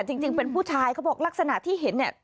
ใช่ค่ะจริงเป็นผู้ชายเขาบอกลักษณะที่เห็น